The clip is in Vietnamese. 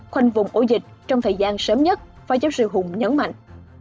khoanh vùng ổ dịch trong thời gian sớm nhất phó giáo sư hùng nhấn mạnh